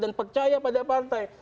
dan percaya pada partai